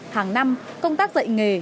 hàng năm công tác dạy nghề